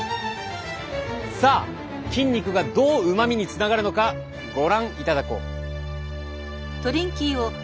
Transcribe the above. さあ筋肉がどううまみにつながるのかご覧いただこう。